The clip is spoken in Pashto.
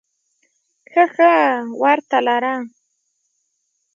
ښه ښه ورته لره !